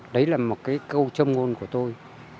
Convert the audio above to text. đấy là một câu châm ngôn của tôi